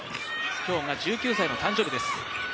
今日が１９歳の誕生日です。